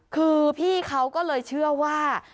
คือพี่เขาก็เลยเชื่อว่า